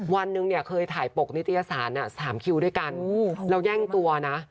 วันหนึ่งเนี่ยเคยถ่ายปกนิตยสาร๓คิวด้วยกันแล้วแย่งตัวนะ